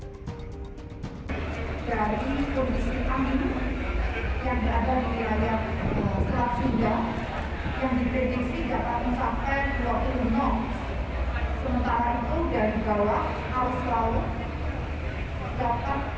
dari kondisi angin yang berada di wilayah selat sunda